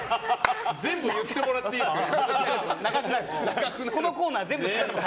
全部言ってもらっていいですか。